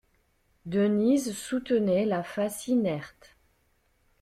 Denise soutenait la face inerte.